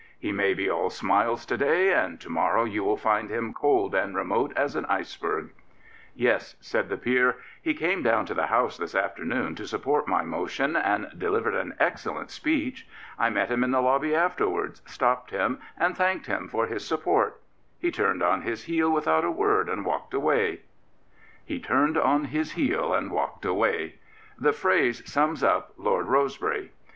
He may be all smiles to day and to morrow you will find him cold and remote as an iceberg. Yes, said the Peer, " he came down to the House this afternoon to support my motion, and delivered an excellent speech. I met him in the lobby after wards, stopped him, and thanked him for his sup port. He turned on his heel without a word and walked away. " He turned on his heel and walked away.*' The phrase sums up Lord Rosebery.